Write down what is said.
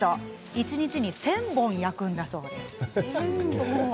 一日、１０００本焼くんだそうです。